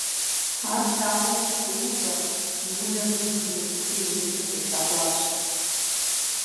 Ар лъагъуэм щытеувэм, и унэр зыбгынэ цӀыхум и ныбжьыр къилъэгъуащ.